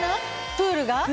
プールが？